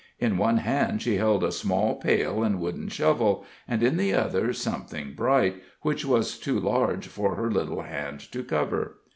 In one hand she held a small pail and wooden shovel, and in the other something bright, which was too large for her little hand to cover.